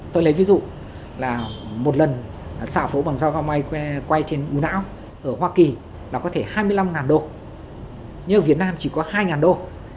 tôi lấy ví dụ là một lần xảo phẫu bằng dao vào mây quay trên u não ở hoa kỳ là có thể hai mươi năm đô nhưng ở việt nam chỉ có hai đô